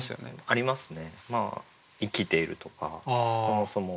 ありますね。